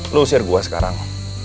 lo usir gue sekarang